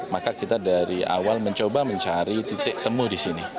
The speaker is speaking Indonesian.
maka kita dari awal mencoba mencari titik temu di sini